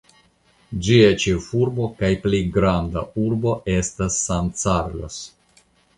Ĝia ĉefurbo kaj plej granda urbo estas San Carlos.